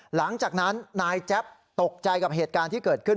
หลังจากนั้นนายแจ๊บตกใจกับเหตุการณ์ที่เกิดขึ้น